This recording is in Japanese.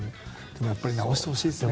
やっぱり治してほしいですね。